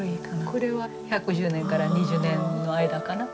これは１１０１２０年の間かな。